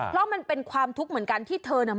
เพราะมันเป็นความทุกค์ที่เธอนัง